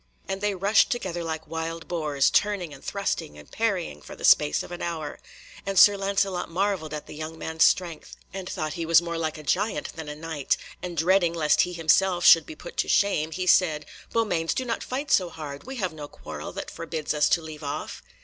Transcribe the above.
And they rushed together like wild boars, turning and thrusting and parrying for the space of an hour, and Sir Lancelot marvelled at the young man's strength, and thought he was more like a giant than a Knight, and dreading lest he himself should be put to shame, he said: "Beaumains, do not fight so hard, we have no quarrel that forbids us to leave off."